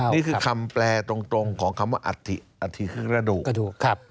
นี่คือคำแปลตรงของคำว่าอธิอธิกระดุก